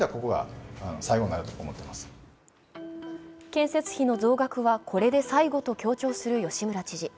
建設費の増額はこれで最後と強調する吉村知事。